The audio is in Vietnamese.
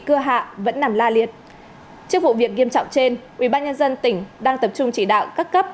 cưa hạ vẫn nằm la liệt trước vụ việc nghiêm trọng trên ubnd tỉnh đang tập trung chỉ đạo các cấp